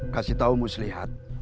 kasih tau mus lihat